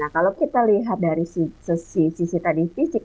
kalau kita lihat dari sisi tadi fisik